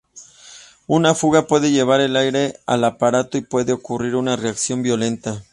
Una fuga puede llevar aire al aparato y puede ocurrir una reacción violenta.